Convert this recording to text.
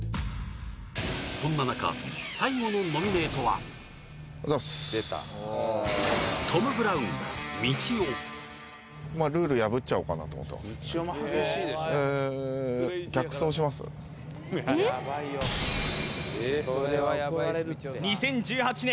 そんな中最後のノミネートは２０１８年